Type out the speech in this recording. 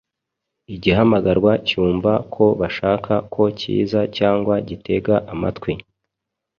igihamagarwa cyumva ko bashaka ko kiza cyangwa gitega amatwi